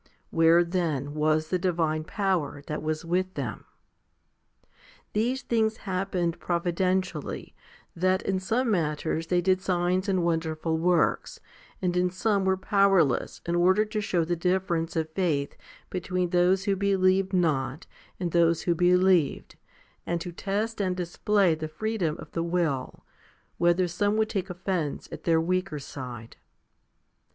2 Where then was the divine power that was with them ? These things happened providentially, that in some matters they did signs and wonderful works, and in some were powerless, in order to show the difference of faith between those who believed not and those who believed, and to test and display the freedom of the will, whether some would take offence at their weaker side. If 1 z". e.